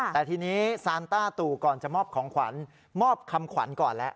แต่ทีนี้ซานต้าตู่ก่อนจะมอบของขวัญมอบคำขวัญก่อนแล้ว